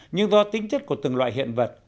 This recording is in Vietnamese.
nhưng do tính chất của từng loại hiện vật